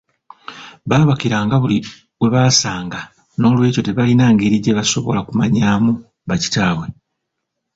Baabakiranga buli gwe basanga n'olwekyo tebalina ngeri gye basobola kumanyaamu ba kitaabwe.